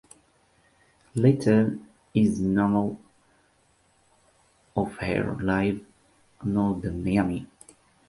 Little is known of her life among the Miami.